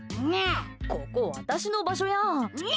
ここ私の場所やん！